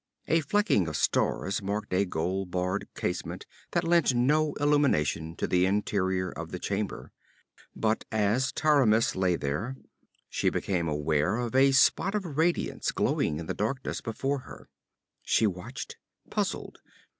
A flecking of stars marked a gold barred casement that lent no illumination to the interior of the chamber. But as Taramis lay there, she became aware of a spot of radiance glowing in the darkness before her. She watched, puzzled.